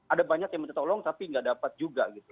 ada banyak yang menolong tapi tidak dapat juga